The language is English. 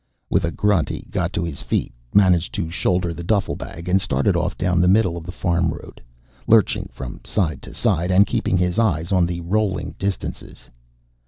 With a grunt, he got to his feet, managed to shoulder the duffle bag, and started off down the middle of the farm road, lurching from side to side, and keeping his eyes on the rolling distances.